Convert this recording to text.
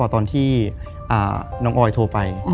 ตอนที่น้องออยโทรไป